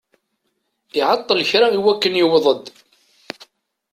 Iɛeṭṭel kra i wakken yewweḍ-d.